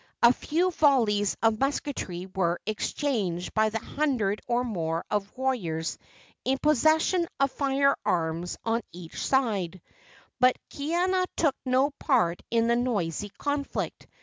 A few volleys of musketry were exchanged by the hundred or more of warriors in possession of fire arms on each side, but Kaiana took no part in the noisy conflict.